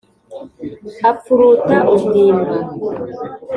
Apfuruta ubwimba